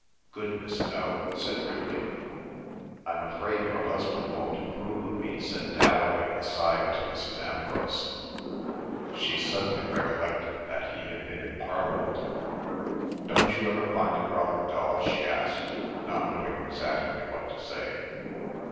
"Goodness, no," said Ridley. "I'm afraid your husband won't approve of me," said Dalloway aside, to Mrs. Ambrose. She suddenly recollected that he had been in Parliament. "Don't you ever find it rather dull?" she asked, not knowing exactly what to say.